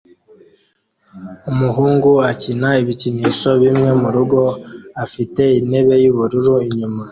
Umuhungu akina ibikinisho bimwe murugo afite intebe yubururu inyuma